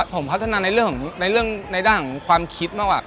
ผมพัฒนาในด้านของความคิดมากกว่า